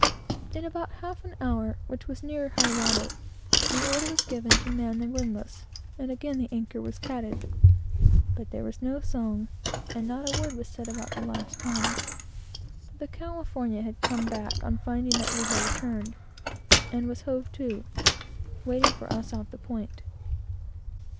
In about half an hour, which was near high water, the order was given to man the windlass, and again the anchor was catted; but not a word was said about the last time. The California had come back on finding that we had returned, and was hove to, waiting for us, off the point.